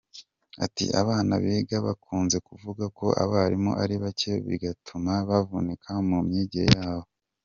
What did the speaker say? Ati “Abana biga bakunze kuvuga ko abarimu ari bake bigatuma bavunika mu myigire yabo.